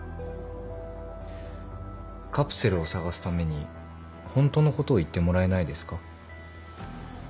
カプセルを捜すためにホントのことを言ってもらえないですか。